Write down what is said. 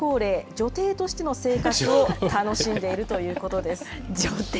女帝としての生活を楽しんでいるということです。